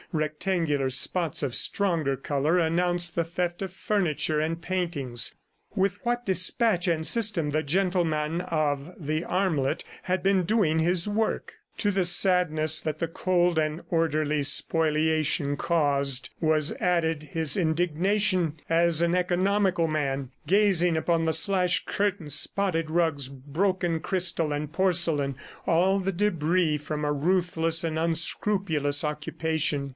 Rectangular spots of stronger color announced the theft of furniture and paintings. With what despatch and system the gentleman of the armlet had been doing his work! ... To the sadness that the cold and orderly spoliation caused was added his indignation as an economical man, gazing upon the slashed curtains, spotted rugs, broken crystal and porcelain all the debris from a ruthless and unscrupulous occupation.